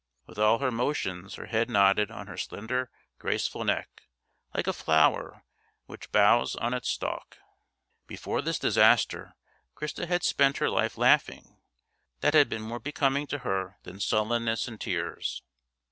With all her motions her head nodded on her slender graceful neck, like a flower which bows on its stalk. Before this disaster Christa had spent her life laughing; that had been more becoming to her than sullenness and tears.